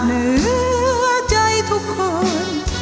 เหนือใจทุกคน